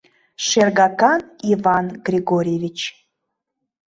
«Шергакан Иван Григорьевич!